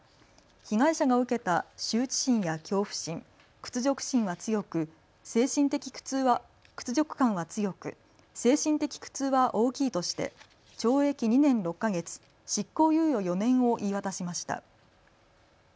被害者が受けた羞恥心や恐怖心、屈辱感は強く精神的苦痛は大きいとして懲役２年６か月執行猶予４年を言い渡しました。